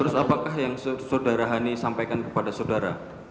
terus apakah yang saudara hani sampaikan kepada saudara